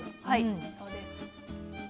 はいそうです。